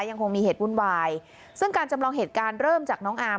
ยังคงมีเหตุวุ่นวายซึ่งการจำลองเหตุการณ์เริ่มจากน้องอาร์